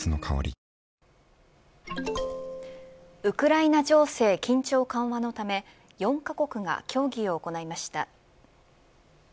ＪＴウクライナ情勢緊張緩和のため４カ国が協議を行いました。